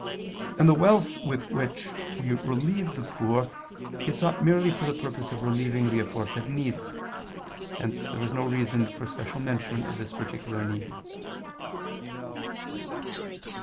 And the wealth with which we relieve the poor is sought merely for the purpose of relieving the aforesaid needs: hence there was no reason for special mention of this particular need.